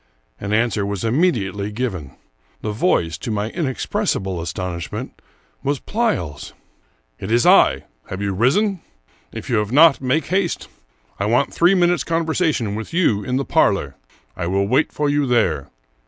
An answer was immediately given. The voice, to my inexpressible astonishment, was Pleyel's. 270 Charles Brockdcn Brown " It is I. Have you risen ? If you have not, make haste; I want three minutes' conversation with you in the parlor. I will wait for you there."